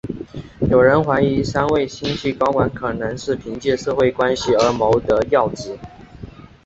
有人怀疑三位新晋高管可能是凭借社会关系而谋得要职。